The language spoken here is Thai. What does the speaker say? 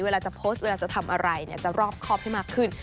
เวลาจะโพสต์เวลาจะทำอะไรเนี่ยจะรอบคอบให้มากขึ้น